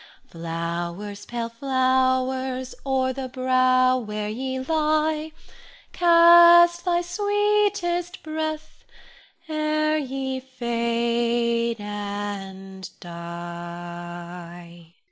Flowers, pale flowers, o'er the brow where ye lie, Cast thy sweetest breath ere ye fade and die.